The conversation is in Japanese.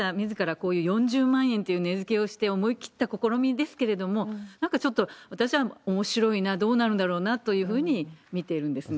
こういう４０万円という値づけをして思いきった試みですけれども、なんかちょっと、私はおもしろいな、どうなるんだろうなというふうに見ているんですね。